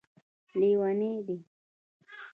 لیوني دی